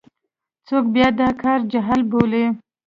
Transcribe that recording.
څوک بیا دا کار جعل بولي.